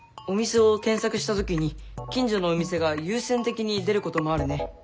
お店を検索した時に近所のお店が優先的に出ることもあるね。